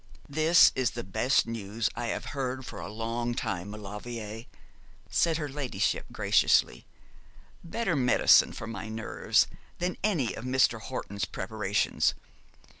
'That is the best news I have heard for a long time, Maulevrier,' said her ladyship graciously; 'better medicine for my nerves than any of Mr. Horton's preparations.